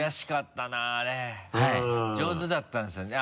上手だったんですよね？